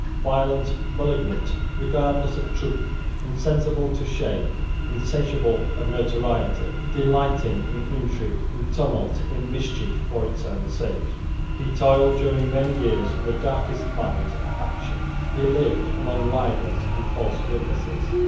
Violent, malignant, regardless of truth, insensible to shame, insatiable of notoriety, delighting in intrigue, in tumult, in mischief for its own sake, he toiled during many years in the darkest mines of faction. He lived among libellers and false witnesses.